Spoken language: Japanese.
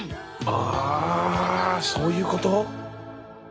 あそういうこと？